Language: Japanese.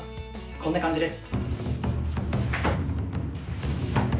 こんな感じです。